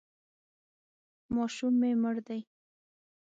ماشوم مې مړ دی.